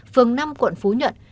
phường năm quận phú nhuận